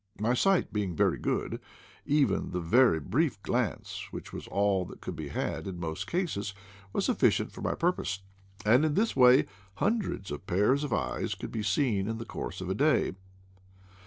My sight being good, even the very brief glance, which was all that could be had in most cases, was sufficient for my purpose; and in this CONCERNING EYES 199 way hundreds of pairs of eyes could be seen in the course of a day.